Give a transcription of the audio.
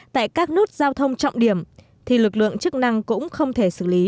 tại các nút giao thông trọng điểm thì lực lượng chức năng cũng không thể xử lý